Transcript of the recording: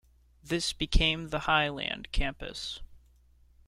This became the Highland Campus.